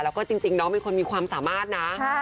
แล้วก็จริงน้องเป็นคนมีความสามารถนะ